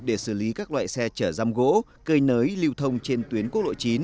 để xử lý các loại xe chở răm gỗ cơi nới lưu thông trên tuyến quốc lộ chín